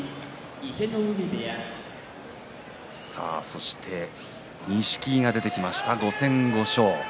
そして錦木が出てきました５戦５勝。